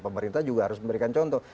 pemerintah juga harus memberikan contoh